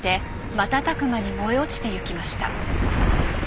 瞬く間に燃え落ちてゆきました。